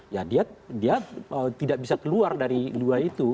ya dia tidak bisa keluar dari luar itu